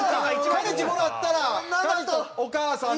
かねちーもらったらちゃんとお母さんと。